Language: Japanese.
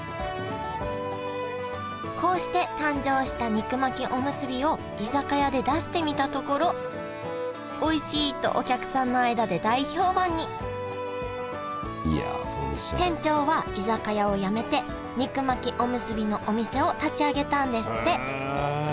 こうして誕生した肉巻きおむすびを居酒屋で出してみたところ「おいしい！」とお客さんの間で大評判に店長は居酒屋をやめて肉巻きおむすびのお店を立ち上げたんですって